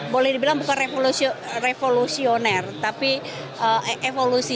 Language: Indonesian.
boleh dibilang bukan revolusioner tapi evolusi